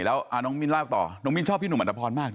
แล้วน้องมิ้นเล่าต่อน้องมิ้นชอบพี่หนุ่มอัตภพรมาก